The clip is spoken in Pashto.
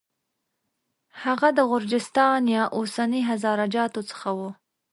هغه د غرجستان یا اوسني هزاره جاتو څخه و.